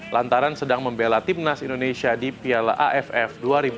lantaran sedang membela timnas indonesia di piala aff dua ribu dua puluh